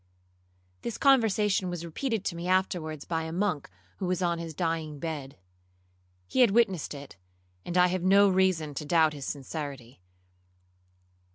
'This conversation was repeated to me afterwards by a monk who was on his dying bed. He had witnessed it, and I have no reason to doubt his sincerity.